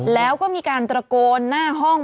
แล้วก็มีการตระโกนหน้าห้อง